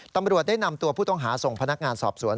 ตำรวจได้นำตัวผู้ต้องหาส่งพนักงานสอบสวน